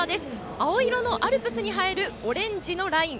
青色のアルプスに映えるオレンジのライン。